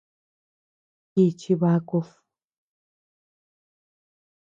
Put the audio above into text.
Jichi bakud.